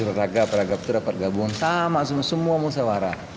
peragam peragam itu dapat gabung sama semua musawarah